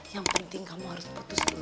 yang penting kamu harus putus dulu